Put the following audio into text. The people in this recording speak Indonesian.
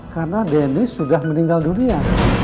karena dennis sudah meninggal dunia